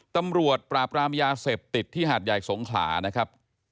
ตำรวจปราบรามยาเสพติดที่หาดใหญ่สงขลานะครับ